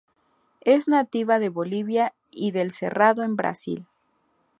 Es nativa de Bolivia y del Cerrado en Brasil.